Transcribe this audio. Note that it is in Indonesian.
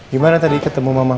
gimana tadi ketemu mama